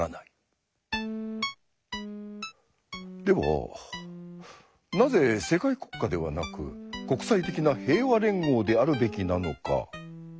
ではなぜ世界国家ではなく国際的な平和連合であるべきなのか。